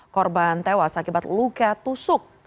korban tewas akibat luka tusuk